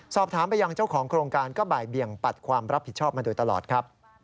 สอบถามไปยังเจ้าของโครงการก็บ่ายเบี่ยงปัดความรับผิดชอบมาโดยตลอดครับ